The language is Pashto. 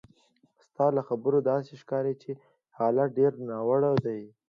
ستا له خبرو داسې ښکاري چې حالات ډېر ناوړه دي.